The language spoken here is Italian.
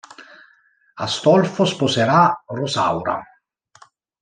Astolfo sposerà Rosaura.